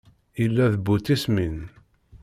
Yella d bu tismin